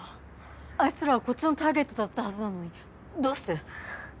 あいつらはこっちのターゲットだったはずなのにどうして。